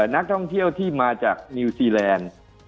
นักท่องเที่ยวที่มาจากนิวซีแลนด์